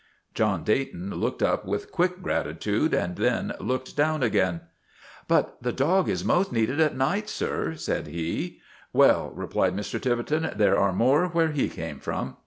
John Dayton looked up with quick gratitude and then looked down again. " But the dog is most needed at night, sir," said he. " Well," replied Mr. Tiverton, " there are more where he came from."